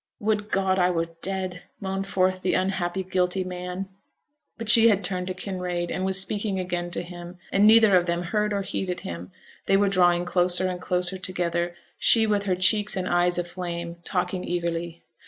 'Would God I were dead!' moaned forth the unhappy, guilty man. But she had turned to Kinraid, and was speaking again to him, and neither of them heard or heeded him they were drawing closer and closer together she, with her cheeks and eyes aflame, talking eagerly.